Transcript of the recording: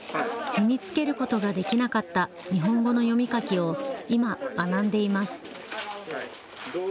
身につけることができなかった日本語の読み書きを今、学んでいます。